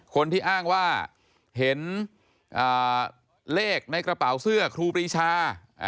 คนที่อ้างว่าเห็นเลขในกระเป๋าเสื้อครูปรีชา